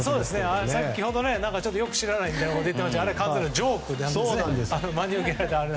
先ほど、よく知らないみたいなことを言っていましたがあれ、完全なジョークでして真に受けないでと。